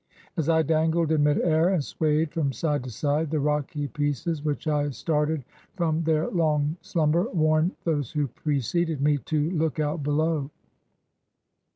As I dangled in mid air and swayed from side to side, the rocky pieces which I started from their long slumber warned those who preceded me to "look out below."